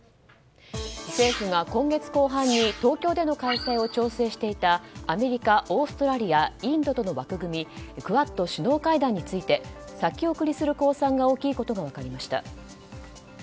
政府が今月後半に東京での開催を調整していたアメリカ、オーストラリアインドとの枠組みクアッド首脳会談について先送りする公算が大きいことが分かりました。